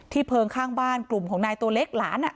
เพลิงข้างบ้านกลุ่มของนายตัวเล็กหลาน